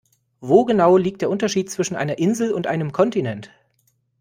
Wo genau liegt der Unterschied zwischen einer Insel und einem Kontinent?